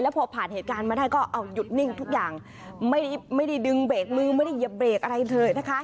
พอผ่านเหตุการณ์มาได้ก็เอาหยุดนิ่งทุกอย่างไม่ได้ดึงเบรกมือไม่ได้เหยียบเบรกอะไรเลยนะคะ